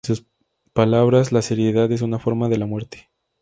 En sus palabras: "La seriedad es una forma de la muerte.